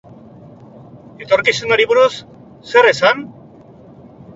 Etorkizunari buruz, zer esan?